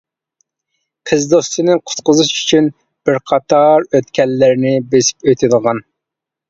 قىز دوستىنى قۇتقۇزۇش ئۈچۈن بىر قاتار ئۆتكەللەرنى بۆسۈپ ئۆتىدىغان.